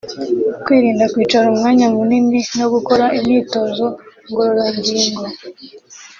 kwirinda kwicara umwanya munini no gukora imyitozo ngororangingo